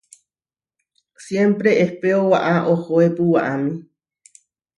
Siémpre ehpéo waʼá ohoépu waʼámi.